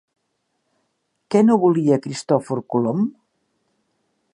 Què no volia Cristòfor Colom?